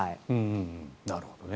なるほどね。